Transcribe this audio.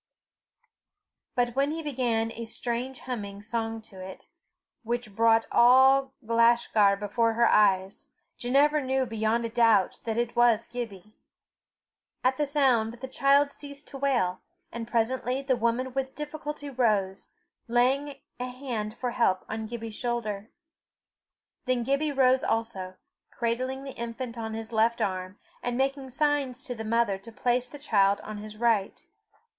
But when he began a strange humming song to it, which brought all Glashgar before her eyes, Ginevra knew beyond a doubt that it was Gibbie. At the sound the child ceased to wail, and presently the woman with difficulty rose, laying a hand for help on Gibbie's shoulder. Then Gibbie rose also, cradling the infant on his left arm, and making signs to the mother to place the child on his right.